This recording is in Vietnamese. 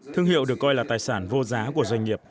thương hiệu được coi là tài sản vô giá của doanh nghiệp